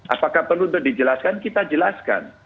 apakah perlu untuk dijelaskan kita jelaskan